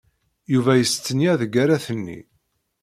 Yuba yestenya deg arrat-nni.